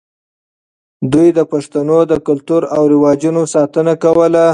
دوی د پښتنو د کلتور او رواجونو ساتنه کوله.